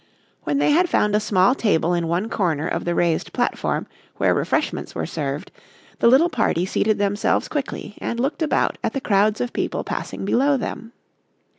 When they had found a small table in one corner of the raised platform where refreshments were served, the little party seated themselves quickly and looked about at the crowds of people passing below them.